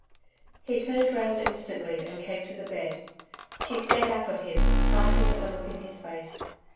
He turned round instantly and came to the bed. She stared up at him, frightened at the look in his face....